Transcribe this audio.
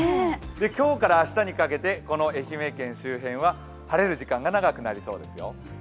今日から明日にかけてこの愛媛県周辺は晴れる時間が長くなりそうですよ。